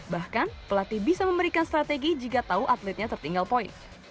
bahkan pelatih bisa memberikan strategi jika tahu atletnya tertinggal poin